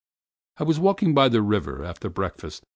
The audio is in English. I was walking by the river, after breakfast.